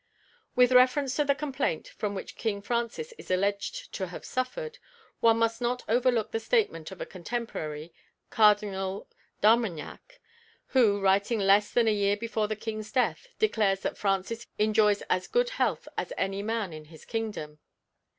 With reference to the complaint from which King Francis is alleged to have suffered, one must not overlook the statement of a contemporary, Cardinal d'Armagnac, who, writing less than a year before the King's death, declares that Francis enjoys as good health as any man in his kingdom (Genin's Lettres de Marguerite, 1841, p. 473).